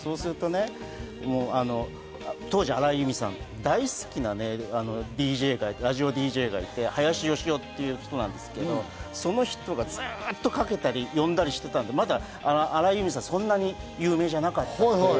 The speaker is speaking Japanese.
そうすると当時、荒井由実さん大好きなラジオＤＪがいて、林美雄っていう人なんですけれど、その人がずっと追っかけたり読んだりしていて、荒井由実さんはそんなにまだ有名じゃなかった。